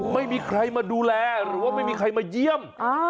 ไม่มีใครมาดูแลหรือว่าไม่มีใครมาเยี่ยม